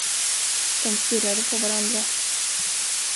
De stirrade på varandra.